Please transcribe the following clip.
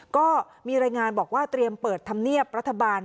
ก็มีรายงานบอกว่าเตรียมเปิดธรรมเนียบรัฐบาล